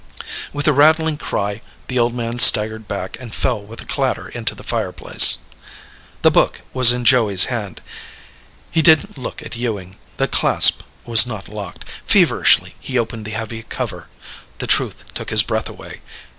With a rattling cry, the old man staggered back and fell with a clatter into the fireplace. The book was in Joey's hand. He didn't look at Ewing. The clasp was not locked. Feverishly, he opened the heavy cover. The truth took his breath away.